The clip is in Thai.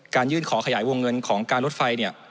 ยื่นขอขยายวงเงินของการรถไฟเนี่ย